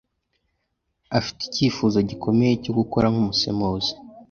Afite icyifuzo gikomeye cyo gukora nkumusemuzi.